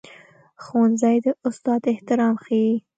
ښوونځی د استاد احترام ښيي